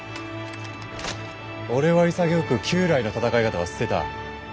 俺は潔く旧来の戦い方は捨てた。